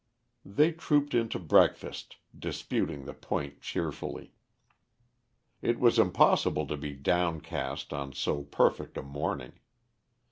They trooped into breakfast, disputing the point cheerfully. It was impossible to be downcast on so perfect a morning.